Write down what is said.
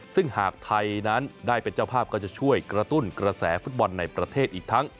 ซึ่งหากไทยนั้นได้เป็นเจ้าภาพก็จะช่วยกระตุ้นกระแสฟุตบอลในประเทศอีกทั้ง